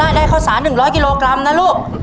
ได้ข้าวสาร๑๐๐กิโลกรัมนะลูก